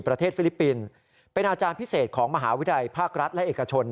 ฟิลิปปินส์เป็นอาจารย์พิเศษของมหาวิทยาลัยภาครัฐและเอกชน